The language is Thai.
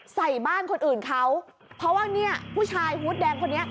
ใส่บ้านคนอื่นเขาเพราะว่าเนี่ยผู้ชายฮูตแดงคนนี้